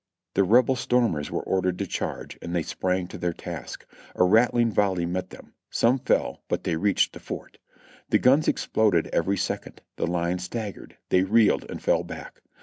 The Rebel stormers were ordered to charge, and they sprang to their task. A rattling volley met them ; some fell, but they reached the fort. The guns exploded every second, the line staggered, they reeled and fell back.